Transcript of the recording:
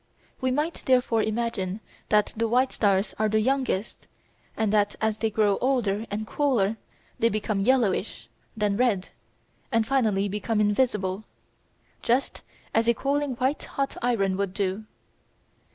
We might therefore imagine that the white stars are the youngest, and that as they grow older and cooler they become yellowish, then red, and finally become invisible just as a cooling white hot iron would do.